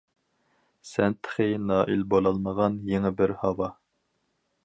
سەن تېخى نائىل بولالمىغان يېڭى بىر ھاۋا.